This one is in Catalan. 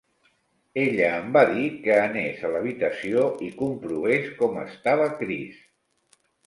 Ella em va dir que anés a l'habitació i comprovés com estava Chris.